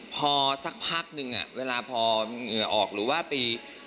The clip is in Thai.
พอสักพักนึงเวลาพอเหงื่อออกหรือว่าไป